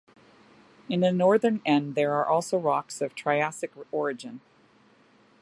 In the northern end there are also rocks of triassic origin.